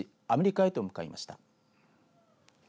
アメリカへと向かいました。